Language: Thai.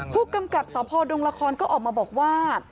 ผู้กำกับสพดงละครก็ออกมาบอกว่า